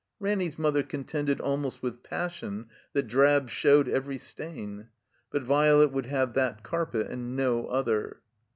Ranny's mother contended almost with passion that drab showed every stain. But Violet would have that carpet and no other.